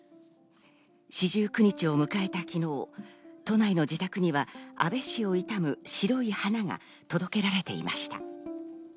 四十九日を迎えた昨日、都内の自宅には、安倍氏を悼む白い花が届けられていました。